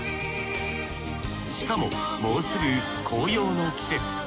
しかももうすぐ紅葉の季節。